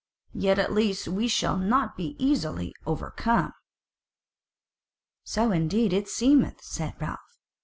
Yet at least we shall not be easy to overcome." "So indeed it seemeth," said Ralph.